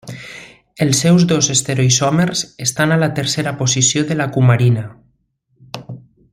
Els seus dos estereoisòmers estan a la tercera posició de la cumarina.